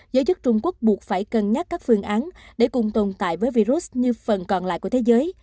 giới chức trung quốc buộc phải cân nhắc các phương án để cùng tồn tại với virus như phần còn lại của thế giới